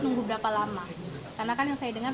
nunggu berapa lama karena kan yang saya dengar